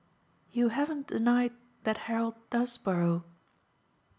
"You haven't denied that Harold does borrow."